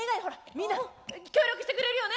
みんな協力してくれるよね？